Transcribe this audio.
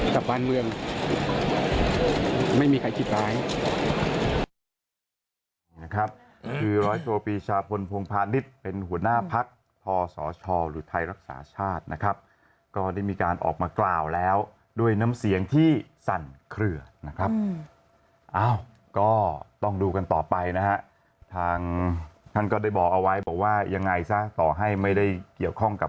แต่บ้านเมืองไม่มีใครคิดร้าย